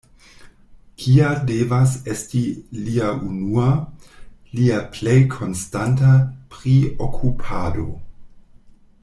Kia devas esti lia unua, lia plej konstanta priokupado?